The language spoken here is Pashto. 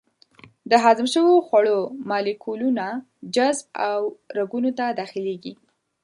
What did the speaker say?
د هضم شوو خوړو مالیکولونه جذب او رګونو ته داخلېږي.